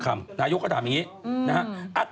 เพราะวันนี้หล่อนแต่งกันได้ยังเป็นสวย